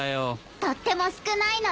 とっても少ないのよ。